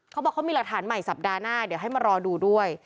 เขาบอกเขามีหลักฐานใหม่สัปดาห์หน้าเดี๋ยวให้มารอดูด้วย